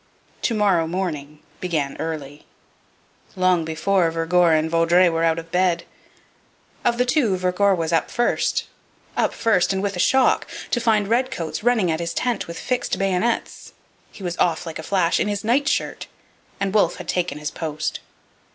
'To morrow morning' began early, long before Vergor and Vaudreuil were out of bed. Of the two Vergor was up first; up first, and with a shock, to find redcoats running at his tent with fixed bayonets. He was off, like a flash, in his nightshirt, and Wolfe had taken his post.